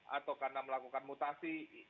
atau karena melakukan mutasi